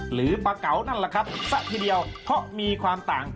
หรือปลาเก๋านั่นแหละครับซะทีเดียวเพราะมีความต่าง